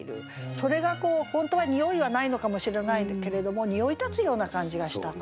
それが本当は匂いはないのかもしれないけれども匂い立つような感じがしたというね。